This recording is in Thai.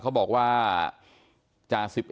เท่าที่คุยกันอยู่ก็